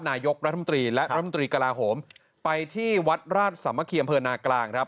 นายกรัฐมนตรีและรัฐมนตรีกระลาโหมไปที่วัดราชสามัคคีอำเภอนากลางครับ